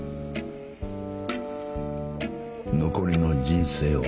残りの人生を。